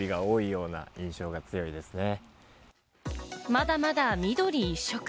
まだまだ緑一色。